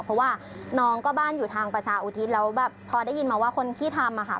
เพราะว่าน้องก็บ้านอยู่ทางประชาอุทิศแล้วแบบพอได้ยินมาว่าคนที่ทำอะค่ะ